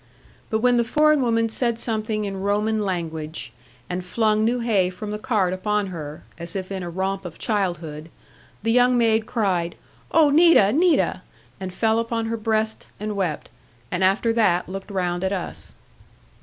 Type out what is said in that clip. But when the foreign woman said something in Roman language, and flung new hay from the cart upon her, as if in a romp of childhood, the young maid cried, 'Oh, Nita, Nita!' and fell upon her breast, and wept; and after that looked round at us.